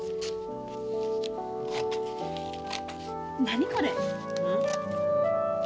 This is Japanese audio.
何これ？